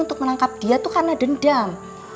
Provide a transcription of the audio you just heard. untuk menangkap dia itu karena dendam